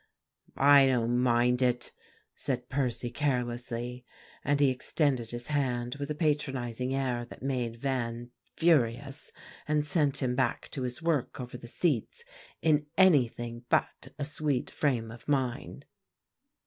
"I don't mind it," said Percy carelessly; and he extended his hand with a patronizing air that made Van furious, and sent him back to his work over the seats in anything but a sweet frame of mind.